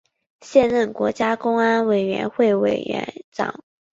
现任国家公安委员会委员长。